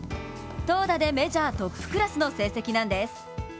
投打でメジャートップクラスの成績なんです。